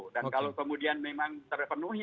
dan kalau kemudian memang terpenuhi